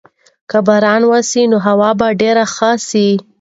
که باران وسي نو هوا به ډېره ښه سي.